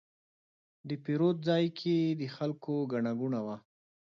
د پیرود ځای کې د خلکو ګڼه ګوڼه وه.